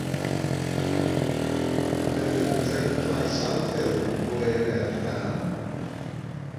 Cymerwyd teitlau sawl ffilm o eiriau'r gân.